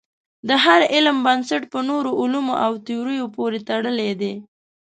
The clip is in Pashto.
د هر علم بنسټ په نورو علومو او تیوریو پورې تړلی دی.